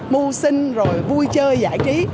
mưu sinh rồi vui chơi giải trí